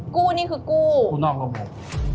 นี่คือกู้กู้นอกระบบ